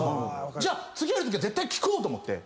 じゃあ次やるときは絶対聞こうと思って。